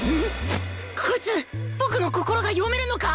こいつ僕の心が読めるのか！？